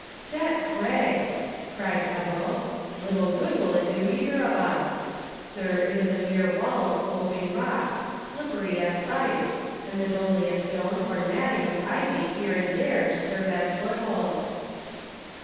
"That crag!" cried Ebbo. "Little good will it do either of us. Sire, it is a mere wall of sloping rock, slippery as ice, and with only a stone or matting of ivy here and there to serve as foothold."